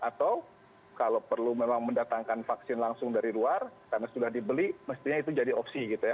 atau kalau perlu memang mendatangkan vaksin langsung dari luar karena sudah dibeli mestinya itu jadi opsi gitu ya